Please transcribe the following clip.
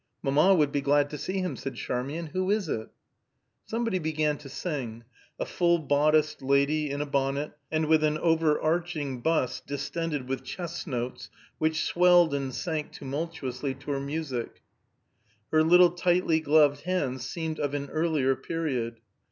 "Mamma would be glad to see him," said Charmian. "Who is it?" Somebody began to sing: a full bodiced lady, in a bonnet, and with an over arching bust distended with chest notes, which swelled and sank tumultuously to her music; her little tightly gloved hands seemed of an earlier period.